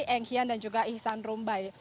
engkian dan juga ihsan rumbai